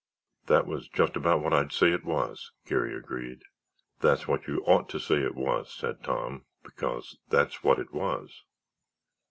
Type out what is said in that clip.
"That's just about what I'd say it was," Garry agreed. "That's what you ought to say it was," said Tom, "because that's what it was."